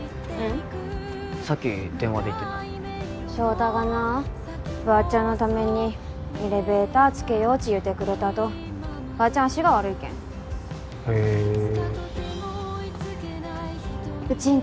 さっき電話で言ってた翔太がなばーちゃんのためにエレベーターつけようち言うてくれたとばーちゃん足が悪いけんへえウチんち